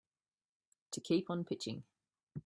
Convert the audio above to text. To keep on pitching.